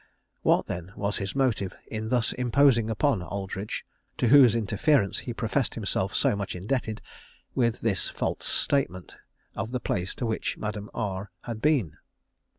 What, then, was his motive in thus imposing upon Aldridge, to whose interference he professed himself so much indebted, with this false statement of the place to which Madame R had been?